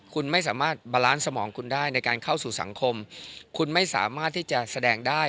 คุณไม่สามารถบาลานซ์สมองคุณได้ในการเข้าสู่สังคมคุณไม่สามารถที่จะแสดงได้